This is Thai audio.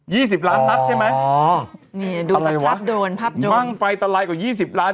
ยี่สิบล้านนับใช่ไหมอ๋อนี่ดูจะพับโดนพับโดนบั้งไฟตะไลล์กว่ายี่สิบล้าน